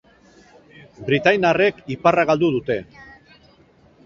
Britainiarrek iparra galdu dute.